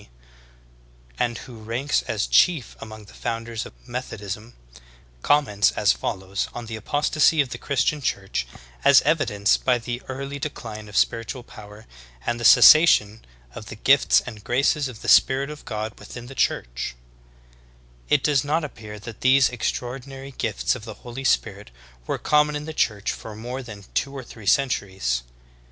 D., and who ranks as chief among the founders of Methodism, comments as follows on the apostasy of the Christian Church as evidenced by the early decline of spiritual power and the cessation of the gifts and graces of the Spirit of God within the Church: "It does not appear that these extraordinary gifts of the Holy Spirit'* were common in the Church for more than t\\o or three centuries.